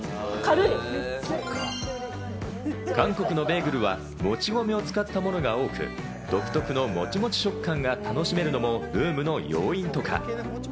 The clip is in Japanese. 韓国のベーグルは、もち米を使ったものが多く、独特のモチモチ食感が楽しめるのもブームの要因とか。